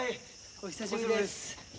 お久しぶりです。